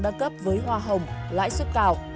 đa cấp với hoa hồng lãi suất cao